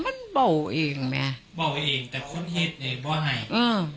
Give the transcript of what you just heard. ไม่รู้จริงว่าเกิดอะไรขึ้น